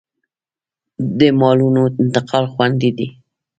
د مالونو انتقال خوندي دی